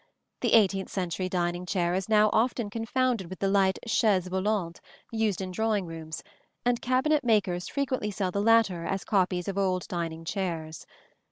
The eighteenth century dining chair is now often confounded with the light chaise volante used in drawing rooms, and cabinet makers frequently sell the latter as copies of old dining chairs.